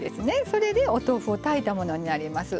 それでお豆腐を炊いたものになります。